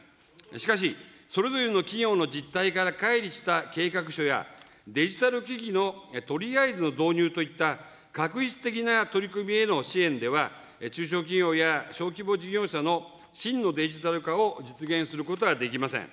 しかし、それぞれの企業の実態からかい離した計画書や、デジタル機器のとりあえずの導入といった、画一的な取り組みへの支援では、中小企業や小規模事業者の真のデジタル化を実現することはできません。